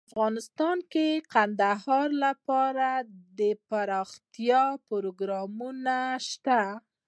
افغانستان کې د کندهار لپاره دپرمختیا پروګرامونه شته.